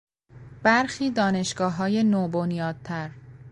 برخی دانشگاههای نوبنیادتر